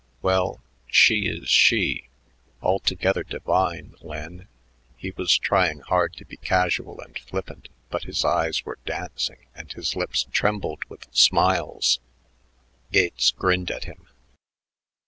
Well, she is she. Altogether divine, Len." He was trying hard to be casual and flippant, but his eyes were dancing and his lips trembled with smiles. Gates grinned at him.